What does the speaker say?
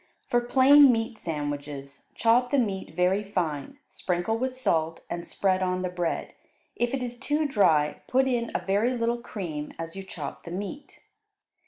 For plain meat sandwiches, chop the meat very fine, sprinkle with salt, and spread on the bread; if it is too dry, put in a very little cream as you chop the meat.